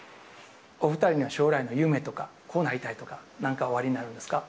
お２人の将来の夢とか、こうなりたいとか、なんかおありになるんですか。